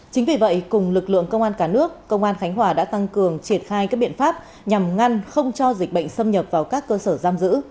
chính vì vậy cùng lực lượng công an cả nước công an khánh hòa đã tăng cường triển khai các biện pháp nhằm ngăn không cho dịch bệnh xâm nhập vào các cơ sở giam giữ